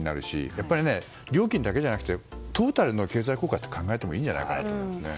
やっぱり料金だけじゃなくてトータルの経済効果も考えてもいいんじゃないかなと。